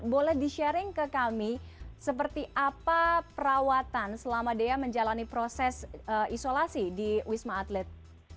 boleh di sharing ke kami seperti apa perawatan selama dea menjalani proses isolasi di wisma atlet